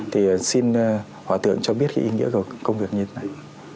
thì xin hoàng thượng cho biết cái ý nghĩa của công việc như thế này